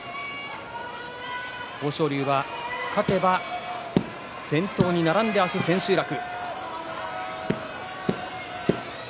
豊昇龍は、勝てば先頭に並んで明日千秋楽。